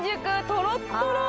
とろっとろ